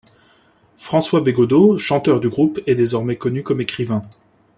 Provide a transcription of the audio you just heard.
François Bégaudeau, chanteur du groupe, est désormais connu comme écrivain.